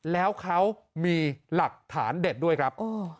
แล้วเขามีหลักฐานเด็ดด้วยครับ